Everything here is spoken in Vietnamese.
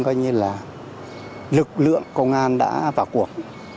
coi như là lực lượng công an đã vào cuộc